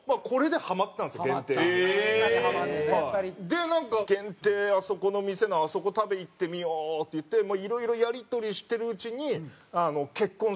でなんか限定「あそこの店のあそこ食べに行ってみよう」って言っていろいろやり取りしてるうちにえっ！